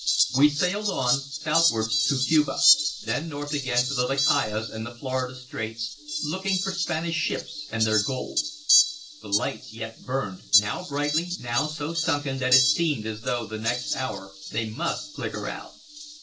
We sailed on, southwards to Cuba, then north again to the Lucayas and the Florida straits, looking for Spanish ships and their gold. The lights yet burned, now brightly, now so sunken that it seemed as though the next hour they must flicker out.